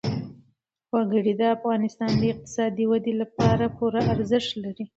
وګړي د افغانستان د اقتصادي ودې لپاره پوره ارزښت لري.